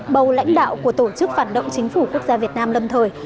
bầu lãnh đạo của tổ chức phản động chính phủ quốc gia việt nam lâm thời